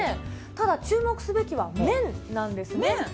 ただ注目すべきは麺なんです麺？